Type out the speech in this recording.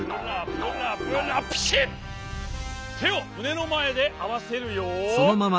てをむねのまえであわせるよ。